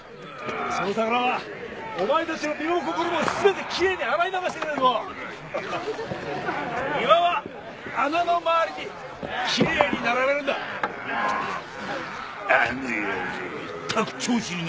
その宝はお前たちの身も心もすべてきれいに洗い流してくれるぞ岩は穴の周りにきれいに並べるんだあの